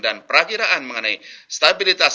dan perakiraan mengenai stabilitas